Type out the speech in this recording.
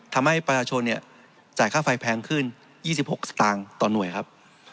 ทำให้ประชาชนจ่ายค่าไฟแพงขึ้น๒๖สตางค์ต่อหน่วยครับ